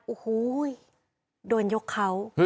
โอ้โหโดนยกเขา